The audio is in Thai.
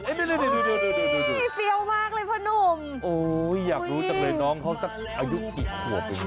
เฮ้ยฟิเอลมากเลยพ่อหนุ่มโอ๊ยอยากรู้จากแหล่นน้องเขาสักอายุกี่ขวบว่างี้